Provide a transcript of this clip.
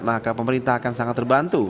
maka pemerintah akan sangat terbantu